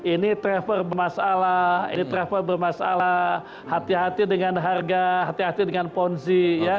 ini travel bermasalah ini travel bermasalah hati hati dengan harga hati hati dengan ponzi ya